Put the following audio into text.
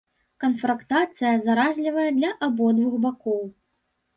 Канфрантацыя заразлівая для абодвух бакоў.